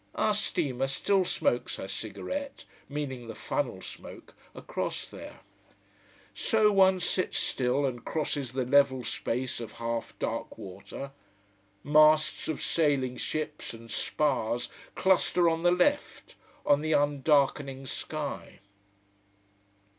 Our steamer still smokes her cigarette meaning the funnel smoke across there. So, one sits still, and crosses the level space of half dark water. Masts of sailing ships, and spars, cluster on the left, on the undarkening sky.